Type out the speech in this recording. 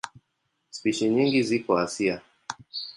Spishi nyingi ziko Asia.